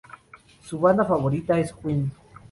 Su banda favorita es Queen.